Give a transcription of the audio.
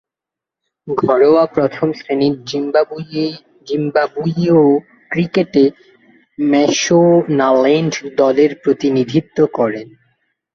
ঘরোয়া প্রথম-শ্রেণীর জিম্বাবুয়ীয় ক্রিকেটে ম্যাশোনাল্যান্ড দলের প্রতিনিধিত্ব করেন।